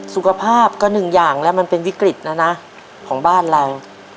สุขภาพก็หนึ่งอย่างแล้วมันเป็นวิกฤตแล้วนะของบ้านเรา